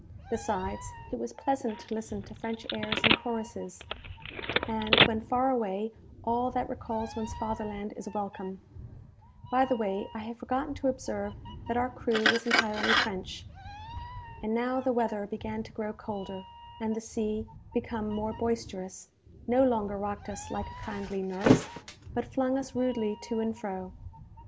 Besides, it was pleasant to listen to French airs and choruses; and, when far away, all that recalls one's fatherland is welcome. By the way, I have forgotten to observe that our crew was entirely French. And now the weather began to grow colder, and the sea, become more boisterous, no longer rocked us like a kindly nurse, but flung us rudely to and fro.